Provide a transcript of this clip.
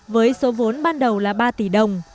với số vốn ban đầu là ba tỷ đồng